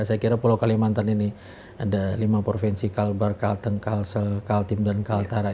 saya kira pulau kalimantan ini ada lima provinsi kalbar kalteng kalsel kaltim dan kaltara